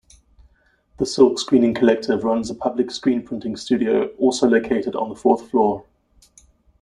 The Silkscreening Collective runs a public screen-printing studio, also located on the fourth floor.